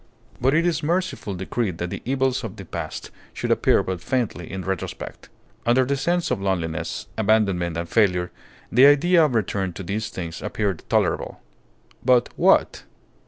But it is mercifully decreed that the evils of the past should appear but faintly in retrospect. Under the sense of loneliness, abandonment, and failure, the idea of return to these things appeared tolerable. But, what?